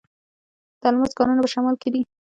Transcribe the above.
د الماس کانونه په شمال کې دي.